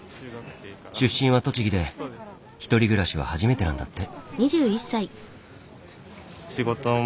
出身は栃木で１人暮らしは初めてなんだって。